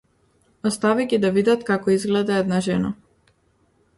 Остави ги да видат како изгледа една жена.